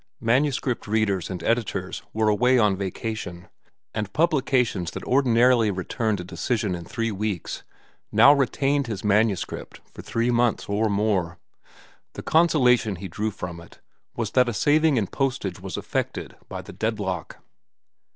Manuscript readers and editors were away on vacation, and publications that ordinarily returned a decision in three weeks now retained his manuscript for three months or more. The consolation he drew from it was that a saving in postage was effected by the deadlock.